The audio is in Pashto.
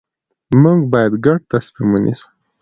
موږ باید ګډ تصمیم ونیسو